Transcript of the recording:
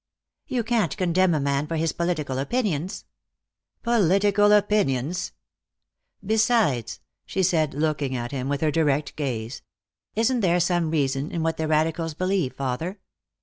"You can't condemn a man for his political opinions." "Political opinions!" "Besides," she said, looking at him with her direct gaze, "isn't there some reason in what the radicals believe, father?